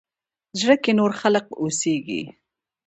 زړه کښې نور خلق اوسيږي